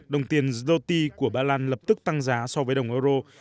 đồng tiền đô của ba lan lập tức tăng giá so với đồng euro